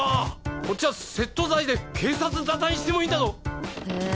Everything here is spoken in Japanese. こっちは窃盗罪で警察沙汰にしてもいいんだぞへえ